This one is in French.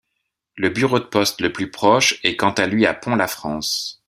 Le bureau de poste le plus proche est quant à lui à Pont-Lafrance.